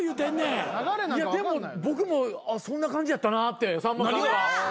いやでも僕もそんな感じやったなってさんまさんが。